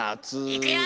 いくよ。